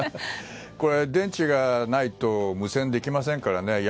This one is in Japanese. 電池がないと無線できませんからね。